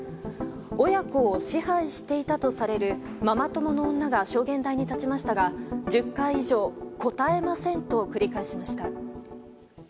親子を支配していたとされるママ友の女が証言台に立ちましたが１０回以上、答えませんと繰り返しました。